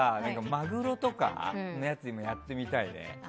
マグロとかのやつもやってみたいね。